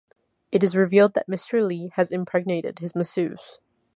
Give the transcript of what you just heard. It is revealed that Mr Li has impregnated his masseuse.